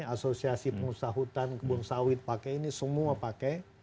asosiasi pengusaha hutan kebun sawit pakai ini semua pakai